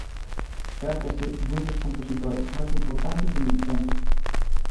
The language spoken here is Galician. Trátase dun dos compositores máis importantes de Nintendo.